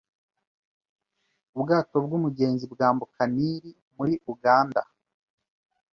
Ubwato bw'umugezi bwambuka Nili muri Uganda